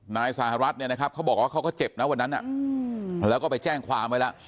นายสหรัฐเนี่ยนะครับเขาบอกว่าเขาก็เจ็บนะวันนั้นแล้วก็ไปแจ้งความไว้แล้ว